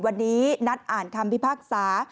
วันนี้นัดอ่านคำพิพากษา